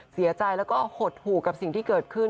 เสียใจแล้วก็หดหู่กับสิ่งที่เกิดขึ้น